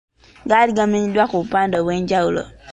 Gaali gamenyeddwa ku bupande obw’enjawulo.